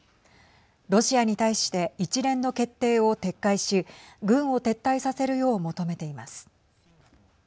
ロシアに対して一連の決定を撤回し軍を撤退させるよう求めています。